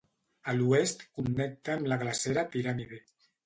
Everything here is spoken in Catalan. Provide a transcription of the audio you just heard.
A l'oest connecta amb la glacera Pirámide.